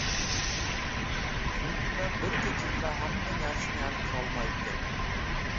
چۈنكى، مەن بىر كېچىدىلا ھەممە نەرسىنى ھەل قىلالمايتتىم.